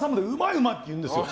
うまい！って言うんですよ。